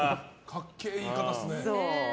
かっけえ言い方ですね。